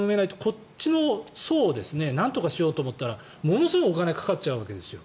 こっちの層をなんとかしようと思ったらものすごいお金がかかっちゃうわけですよ。